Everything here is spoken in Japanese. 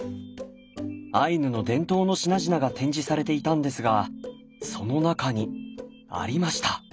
アイヌの伝統の品々が展示されていたんですがその中にありました。